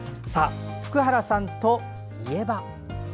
福原さんといえば。